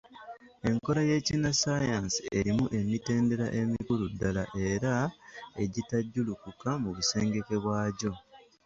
Enkola y’ekinnassaayansi erimu emitendera emikulu ddala era, egitajjulukuka mu busengeke bwagyo.